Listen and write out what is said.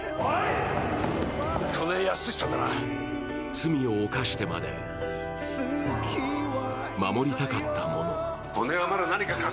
罪を犯してまで、守りたかったもの。